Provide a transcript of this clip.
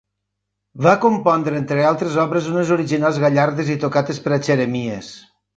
Va compondre entre altres obres unes originals gallardes i tocates per a xeremies.